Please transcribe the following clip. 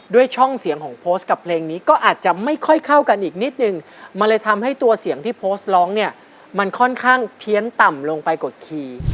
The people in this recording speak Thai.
ช่องเสียงของโพสต์กับเพลงนี้ก็อาจจะไม่ค่อยเข้ากันอีกนิดนึงมันเลยทำให้ตัวเสียงที่โพสต์ร้องเนี่ยมันค่อนข้างเพี้ยนต่ำลงไปกว่าคีย์